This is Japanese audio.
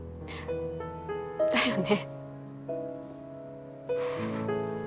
だよね。